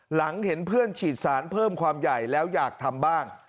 หลังเห็นเพื่อนฉีดสารเพิ่มความใหญ่แล้วอยากทำบ้าง